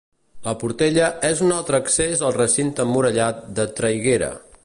La Portella és un altre accés al recinte emmurallat de Traiguera.